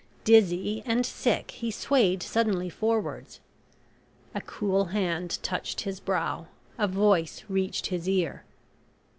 Dizzy and sick he swayed suddenly forwards. A cool hand touched his brow a voice reached his ear.